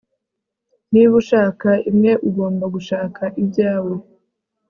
Niba ushaka imwe ugomba gushaka ibyawe